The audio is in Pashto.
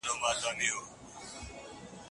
په وروسته پاته هېوادونو کي د پانګي دوران باید چټک سي.